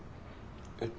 えっ？